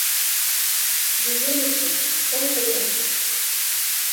Вием уке, шоҥго улам.